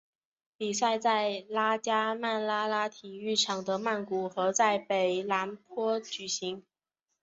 比赛在拉加曼拉拉体育场的曼谷和的北榄坡举行。